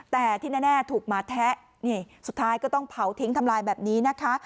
แต่ที่แน่ถูกหมาแทะนี่สุดท้ายก็ต้องเผาทิ้งทำลายแบบนี้นะคะ